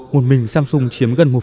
một mình samsung chiếm gần một bốn